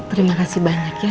terima kasih banyak ya